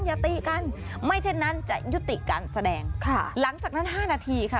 อย่าตีกันไม่เช่นนั้นจะยุติการแสดงค่ะหลังจากนั้นห้านาทีค่ะ